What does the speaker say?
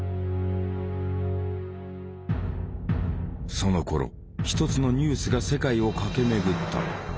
そのころ一つのニュースが世界を駆け巡った。